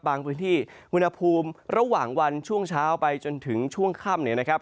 พื้นที่อุณหภูมิระหว่างวันช่วงเช้าไปจนถึงช่วงค่ำเนี่ยนะครับ